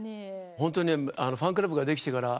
ホントにファンクラブができてから。